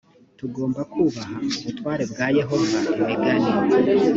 tugomba kubaha ubutware bwa yehova imigani